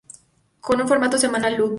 Con un formato semanal, "Loops!